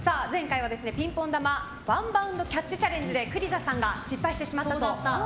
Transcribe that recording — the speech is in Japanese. ピンポン球ワンバンウンドキャッチチャレンジで栗田さんが失敗してしまったと。